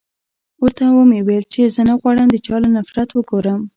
ورته و مې ويل چې نه غواړم د چا له نفرت وګورم.